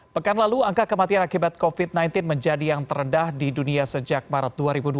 pekan lalu angka kematian akibat covid sembilan belas menjadi yang terendah di dunia sejak maret dua ribu dua puluh